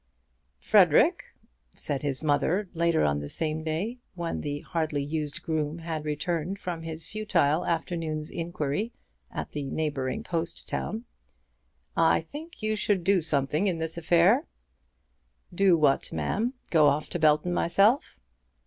"Frederic," said his mother, later on the same day, when the hardly used groom had returned from his futile afternoon's inquiry at the neighbouring post town, "I think you should do something in this affair." "Do what, ma'am? Go off to Belton myself?"